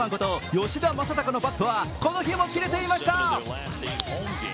吉田正尚のバットはこの日もキレていました。